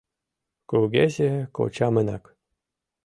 Кугезе кочамынак.